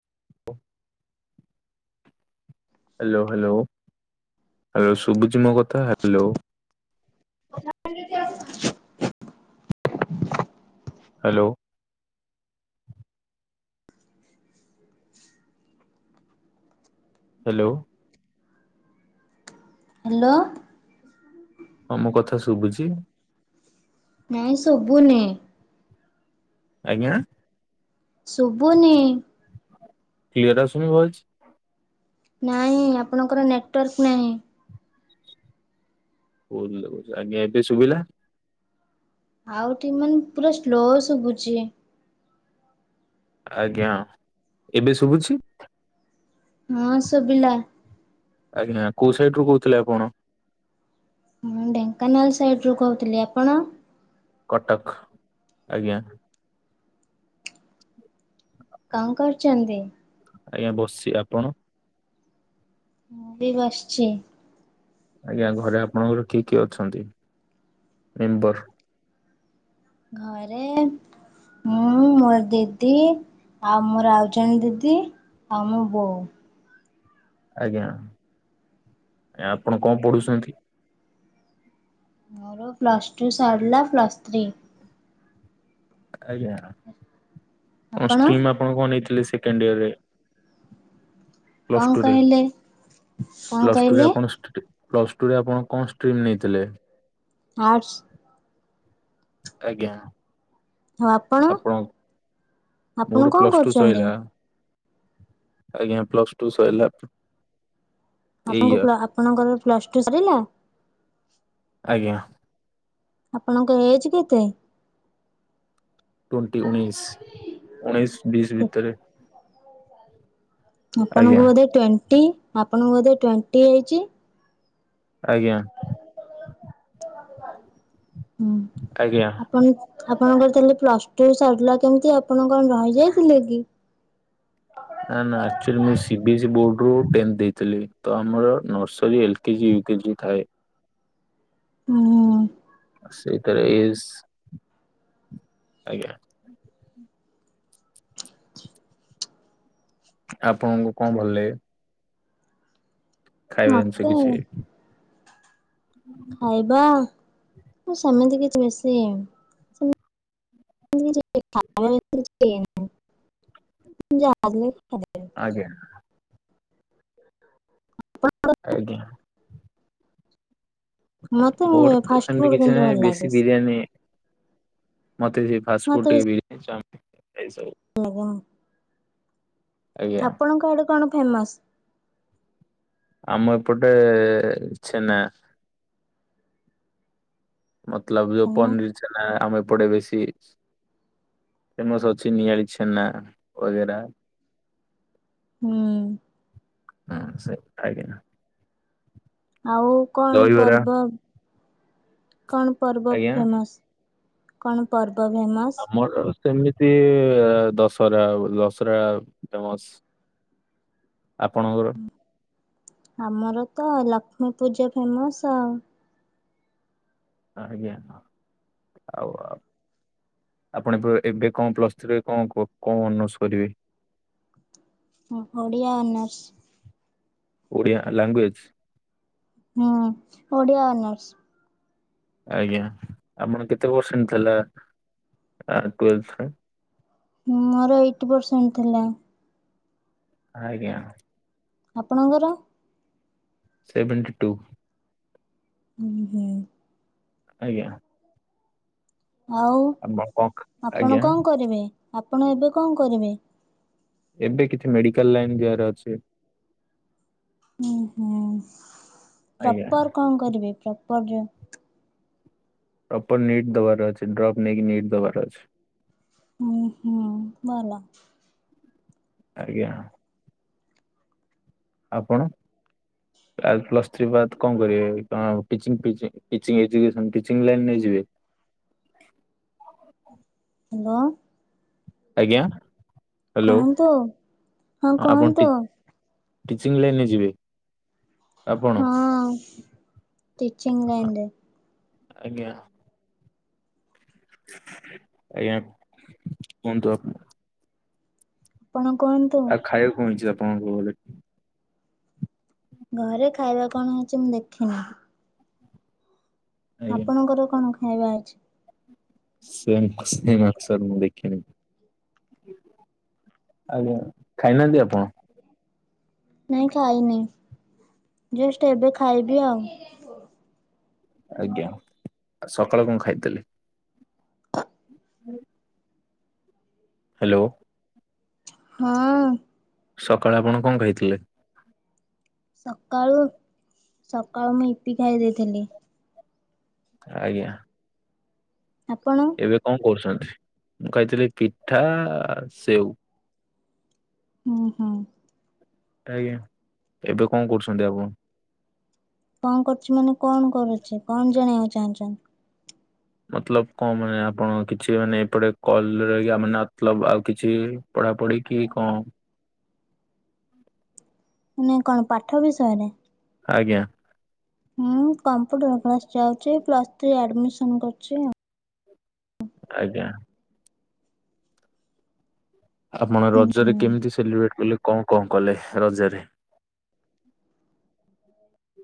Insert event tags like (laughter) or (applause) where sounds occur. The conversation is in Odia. (inaudible) ହ୍ୟାଲୋ ହ୍ୟାଲୋ ହ୍ୟାଲୋ ସୁଭୁଛି ମୋ କଥା ହ୍ୟାଲୋ। (unintelligible) ହ୍ୟାଲୋ। ହ୍ୟାଲୋ। ହ୍ୟାଲୋ। ହଁ ମୁଁ କଥା ଶୁଭୁଛି। ନାଇଁ ଶୁଭୁନି। ଆଜ୍ଞା। ସୁଭୁନି। କ୍ଲିଅର୍ ଆସୁନି ଭଏସ। ନାଇଁ ଆପଣଙ୍କର ନେଟୱାର୍କ ନାହିଁ। ଆଜ୍ଞ ଏବେ ସୁୁଭିଲା। ଆଉଠି ମାନେ ପୁରା ସ୍ଲୋ ଶୁଭୁଛି। ଆଜ୍ଞା ଏବେ ଶୁଭୁଛି। ହଁ ଶୁଭିଲା। ଆଜ୍ଞା କୋଉ ସାଇଡ ରୁ କହୁଥିଲେ ଆପଣ। ମୁଁ, ଢେଙ୍କାନାଳ ସାଇଡ ରୁ କହୁଥିଲି ଆପଣ। କଟକ ଆଜ୍ଞା। କଁ କରୁଛନ୍ତି? ଆଜ୍ଞା ବସିଛି ଆପଣ? ମୁଁ ବି ବସିଛି। ଆଜ୍ଞା ଘରେ ଆପଣଙ୍କର କିଏ କିଏ ଅଛନ୍ତି ମେମ୍ବର? ଘରେ ମୁଁ ମୋ ଦିଦି। ଆଉ ମୋର ଆଉଜଣେ ଦିଦି ଆଉ ମୋ ବୋଉ। ଆଜ୍ଞା ଆଜ୍ଞା ଆପଣ କଣ ପଢୁଛନ୍ତି। ମୋର ପ୍ଲସ ଟୁ ସାରିଲା ପ୍ଲସ୍ ଥ୍ରୀ। ଆଜ୍ଞା କଁ ଆପଣ ଷ୍ଟ୍ରିମ୍ ଆପଣ କଣ ନେଇଥିଲେ ସେକେଣ୍ଡ ଇୟର ରେ? ପ୍ଲସ୍ କଣ ଟୁରେ କହିଲେ କଣ ପ୍ଲସ୍ କହିଲେ ଟୁରେ ଆପଣ ଷ୍ଟି ପ୍ଲସ ଟୁ ରେ ଆପଣ କଣ ଷ୍ଟ୍ରିମ ନେଇଥିଲେ? ଆର୍ଟ୍ସ୍। ଆଜ୍ଞା। ଆପଣ ଆପଣ ମୋର କଣ ପ୍ଲସ ଟୁ କରୁଛନ୍ତି? ସଇଲା। ଆଜ୍ଞା ପ୍ଲସ ଟୁ ସଇଲା। ଏଇ ଆପଣଙ୍କୁ ଇୟର ପ୍ଲ ଆପଣଙ୍କର ପ୍ଲସ ଟୁ ସଇଲା। ଆଜ୍ଞା। ଆପଣଙ୍କର ଏଜ୍ କେତେ? ଟ୍ୱେଣ୍ଟି ଉଣେଇଶି ଉଣେଇଶ ବିଶ ଭିତରେ। ଆଜ୍ଞା ଆପଣଙ୍କୁ ବୋଧେ ଟ୍ୱେଣ୍ଟି ଆପଣଙ୍କୁ ବୋଧେ ଟ୍ୱେଣ୍ଟି ଏଜ୍। ଆଜ୍ଞା। (unintelligible) ଆଜ୍ଞା। ଆପଣ ଆପଣଙ୍କର ତାହେଲେ ପ୍ଲସ ଟୁ ସରିଲା କେମିତି ଆପଣ କଣ ରହିଯାଇଥିଲେ କି? ନା ନା ଅକ୍ଚଆଲି ମୁଁ C B S E board ରୁ ଟେନ୍ ଦେଇଥିଲି ତ ଆମର ନର୍ସରୀ ଏଲ୍ କେଜି ୟୁ କେଜିଥାଏ। ହୁଁ। ଆଉ ସେଇ ଥେରେ ୟେଶ। ଆଜ୍ଞା। ଆପଣଙ୍କୁ କଁ ଭଲଲାଗେ। ଖାଇବା ଜିନିଷ ମତେ କିଛି। ଖାଇବା ମୁଁ ସେମିତି କିଛି ବେଶୀ। (unintelligible) ଆଜ୍ଞା (unintelligible) ଆଜ୍ଞା। ମତେ ମୋର ତ ସେମିତି ଫାଷ୍ଟଫୁଡ କିଛି କିନ୍ତୁ ନାହିଁ ଭଲ ଲାଗେ ବେଶୀ। ବିରିୟାନୀ ମତେ ବି ସେଇ ଫାଷ୍ଟଫୁଡ ଟିକେ ବିରିୟାନ ଚାଉମିନ ‌ଏଇ ସବୁ। ଆଜ୍ଞା। ଆଜ୍ଞା ଆପଣଙ୍କ ଆଡେ କଣ ଫେମସ। ଆମ ଏପଟେ ଛେନା। ମତଲବ ଯୋଉ ଛେନା ପନିର ଛେନା ଆମ ଏପଟେ ବେଶୀ। ଫେମସ ଅଛି ନିଆଳି ଛେନା ଓଗେରା। ହୁଁ। ହଁ ସେ ଆଜ୍ଞା। ଆଉ କଣ ଦହିବରା ପର୍ବ କଣ ପର୍ବ ଆଜ୍ଞା ଫେମସ କଣ ପର୍ବ ଫେମସ? ଆମର ସେମିତି ଦଶହରା ଆଉ ଦଶହରା ଫେମସ। ଆପଣଙ୍କର? ଆମର ତ ଲକ୍ଷ୍ମୀ ପୂଜା ଫେମସ ଆଉ। ଆଜ୍ଞା ଆଉ ଆ। ଆପଣ ଏ ଏବେ କଣ ପ୍ଲସ୍ ଥ୍ରୀ କଣ କଣ ଅନର୍ସ କରିବେ? ହ ଓଡ଼ିଆ ଅନର୍ସ। ଓଡ଼ିଆ ଲାଙ୍ଗୁଏଜ୍। ହୁଁ ଓଡ଼ିଆ ଅନର୍ସ। ଆଜ୍ଞା ଆପଣ କେତେ ପରସେଣ୍ଟ ଥିଲା ଟୁଏଲଥ୍ରେ? ମୋର ଏଇଟି ପରସେଣ୍ଟ ଥିଲା। ଆଜ୍ଞା। ଆପଣଙ୍କର? Seventy two. ହୁଁ ହୁଁ। ଆଜ୍ଞା। ଆଉ ଆପଣ କଣ ଆପଣ ଆଜ୍ଞା କଣ କରିବେ? ଆପଣ ଏବେ କଣ କରିବେ? ଏବେ କିଛି ମେଡିକାଲ ଲାଇନ ଯିବାର ଅଛି। ହୁଁ ହୁଁ ଆଜ୍ଞା। ପ୍ରପର କଣ କରିବେ? ପ୍ରପର ଜୋନ ପ୍ରପର ନିଟ୍ ଦବାର ଅଛି ଡ୍ରପ୍ ନେଇକି ନିଟ୍ ଦବାର ଅଛି। ହୁଁ ହୁଁ ଭଲ। ଆଜ୍ଞା। ଆପଣ? ପ୍ଲସ୍ ଥ୍ରୀ ବାଦ କଣ କରିବେ? ଟି ଟିଚିଂ ଏଜୁକେସନ ଟିଚିଂ ଲାଇନ ନେଇ ଯିବେ। ହ୍ୟାଲୋ। ଆଜ୍ଞା। ହ୍ୟାଲୋ କୁହନ୍ତୁ ହଁ ଆପଣ ଟି କୁହନ୍ତୁ। ଟିଚିଂ ଲାଇନେ ଯିବେ। ଆପଣ ହଁ ଟିଚିଂ ଲାଇନ୍ ରେ। ଆଜ୍ଞା। ଆଜ୍ଞା କୁହନ୍ତୁ ଆ। ଆପଣ କୁହନ୍ତୁ। ଆଉ ଖାଇବାକୁ କଣ ହେଇଛି ଆପଣଙ୍କ ଘରେ? ଘରେ ଖାଇବା କଣ ଅଛି ମୁଁ ଦେଖିନି। ଆଜ୍ଞା ଆପଣଙ୍କର କଣ ଖାଇବା ଅଛି? ସେମ୍ ସେମ୍ ଆନସାର ମୁଁ ଦେଖିନି। ଆଜ୍ଞା ଖାଇନାହାନ୍ତି ଆପଣ? ନାଇଁ ଖାଇନି ଜଷ୍ଟ ଏବେ ଖାଇବି ଆଉ। ଆଜ୍ଞା ସକାଳେ କଣ ଖାଇଥିଲି? ହୁଁ। ହ୍ୟାଲୋ। ହଁ ସକାଳେ ଆପଣ କଣ କହିଥିଲେ? ସକାଳୁ ସକାଳୁ ମୁଁ ଇପି ଖାଇ ଦେଇଥିଲି। ଆଜ୍ଞା ଆପଣ ଏବେ କଣ କରୁଛନ୍ତି ମୁଁ ଖାଇଥିଲି ପିଠା ସେଉ ଓ ହୋ। ଆଜ୍ଞା ଏବେ କଣ କରୁଛନ୍ତି ଆପଣ କଣ କରୁଛି ମାନେ କଣ କରୁଛି କଣ ଜଣେଇବାକୁ ଚାହୁଁଛନ୍ତି। ମତଲବ କଣ ମାନେ ଆପଣ କିଛି ମାନେ ଏପଟେ କଲ ଆମେତବ ଆଉ କିଛି ପଢା ପଢିକି କଣ? ନାଇଁ କଣ ପାଠ ବିଷୟରେ ଆଜ୍ଞା ହଁ କମ୍ପୁଟର କ୍ଲାସ ଯାଉଛି ପ୍ଲସ୍ ଥ୍ରୀ ଆଡମିସନ କରିଚି ଆଉ ଆଜ୍ଞା। ଆପଣ ହୁଁ ରଜରେ ହୁଁ। କେମିତି ସେଲିବ୍ରେଟ କଲେ କଣ କଣ କଲେ ରଜରେ?